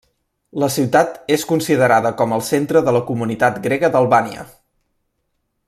La ciutat és considerada com el centre de la comunitat grega d'Albània.